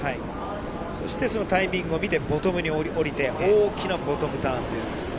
そしてそのタイミングを見て、ボトムに下りて、大きなボトムダウンというんです。